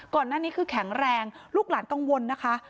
ก่อนหน้านี้คือแข็งแรงลูกหลานกังวลนะคะ